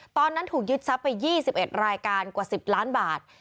ตอนนั้นถูกยึดทรัพย์ไป๒๑รายการกว่า๑๐ล้านบาท